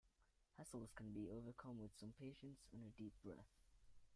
Hassles can be overcome with some patience and a deep breath.